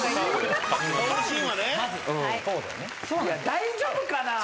大丈夫かなぁ。